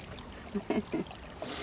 フフフ。